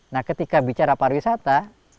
nah ketika bicara para wisata